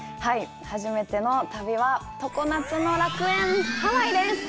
初めての旅は常夏の楽園ハワイです。